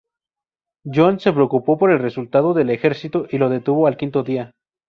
Jones se preocupó por el resultado del ejercicio y lo detuvo al quinto día.